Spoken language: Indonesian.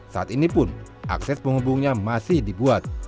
saat ini pun akses penghubungnya masih dibuat